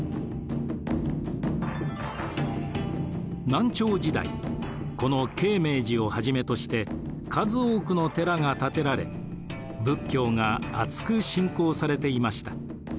南朝時代この鶏鳴寺をはじめとして数多くの寺が建てられ仏教があつく信仰されていました。